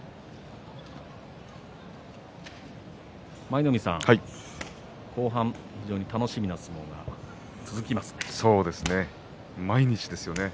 舞の海さん、後半非常に楽しみな相撲が続きますね。